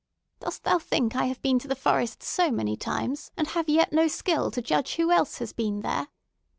"Dost thou think I have been to the forest so many times, and have yet no skill to judge who else has been there?